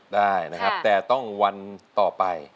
ได้นะครับแต่ต้องวันต่อไป